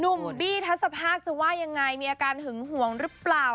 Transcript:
บี้ทัศภาคจะว่ายังไงมีอาการหึงห่วงหรือเปล่า